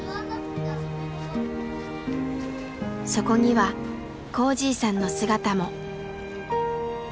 そこにはこーじぃさんの姿も。